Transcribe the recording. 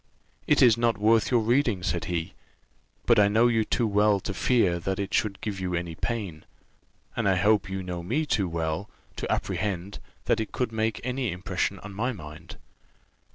"It is not worth your reading," said he; "but I know you too well to fear that it should give you any pain; and I hope you know me too well, to apprehend that it could make any impression on my mind."